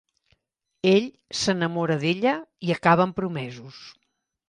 Ell s'enamora d'ella i acaben promesos.